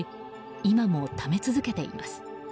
今も貯め続けています。